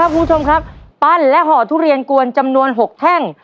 คุณผู้ชมครับปั้นและห่อทุเรียนกวนจำนวน๖แท่ง